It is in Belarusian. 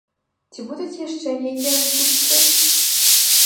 Ці будуць яшчэ нейкія наступствы?